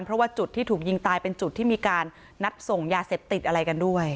เพราะว่าจุดที่ถูกยิงตายเป็นจุดที่มีการนัดส่งยาเสพติดอะไรกันด้วย